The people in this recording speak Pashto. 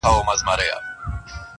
نه یې وکړل د آرامي شپې خوبونه-